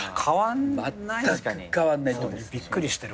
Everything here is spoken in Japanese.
まったく変わんないと思う。びっくりしてる。